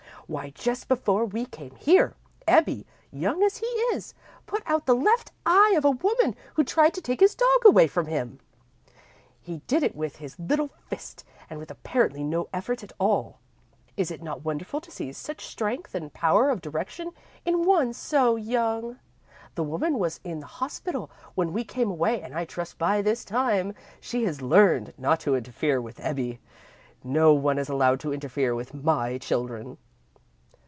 Why, just before we came here, Ebbie, young as he is, put out the left eye of a woman who tried to take his dog away from him. He did it with his little fist and with apparently no effort at all. Is it not wonderful to see such strength and power of direction in one so young? The woman was in the hospital when we came away, and I trust by this time, she has learned not to interfere with Ebbie. No one is allowed to interfere with my children."